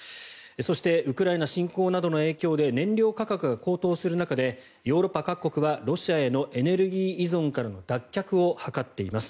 そしてウクライナ侵攻などの影響で燃料価格が高騰する中でヨーロッパ各国がロシアへのエネルギー依存からの脱却を図っています。